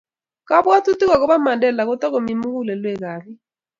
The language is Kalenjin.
kabwotutik akobo Mandela ko tokomi mukulelwekab biik